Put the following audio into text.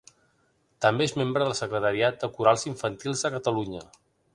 També és membre del Secretariat de Corals Infantils de Catalunya.